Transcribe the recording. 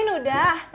kang amin udah